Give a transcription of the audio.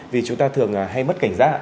vì chúng ta thường hay mất cảnh giá